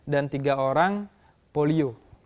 dan tiga orang polio